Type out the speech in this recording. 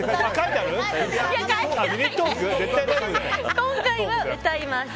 今回は歌いません！